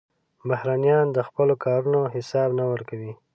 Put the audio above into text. بهرنیان د خپلو کارونو حساب نه ورکوي.